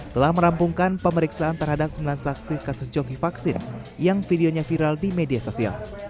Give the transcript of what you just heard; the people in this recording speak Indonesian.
telah merampungkan pemeriksaan terhadap sembilan saksi kasus joki vaksin yang videonya viral di media sosial